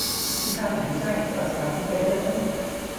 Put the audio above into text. ซึ่งถ้าอันไหนไม่ใช่ให้ตัดสินใจทิ้งไปได้เลย